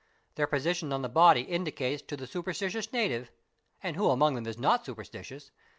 Their position on the " body indicates to the superstitious native, and who among them is not superstitious?